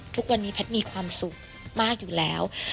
ทุกวันนี้แพทย์มีความสุขมากอยู่แล้ว